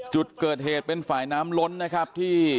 จุดเกิดเหตุเป็นฝ่ายน้ำล้นนะครับที่